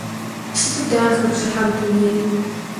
Sıtu daxe bjıhem dunêyr!